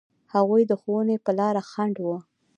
هغوی د ښوونې په لاره خنډ و.